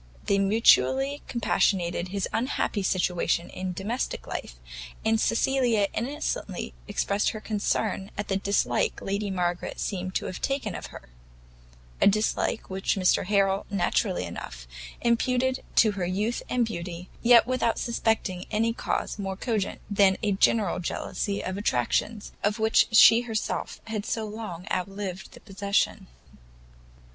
They mutually compassionated his unhappy situation in domestic life, and Cecilia innocently expressed her concern at the dislike Lady Margaret seemed to have taken to her; a dislike which Mr Harrel naturally enough imputed to her youth and beauty, yet without suspecting any cause more cogent than a general jealousy of attractions of which she had herself so long outlived the possession.